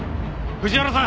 藤原さん！